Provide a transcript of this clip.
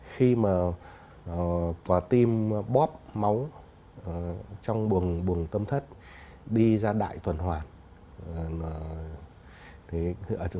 khi mà quả tim bóp máu trong buồng tâm thất đi ra đại tuần hoạt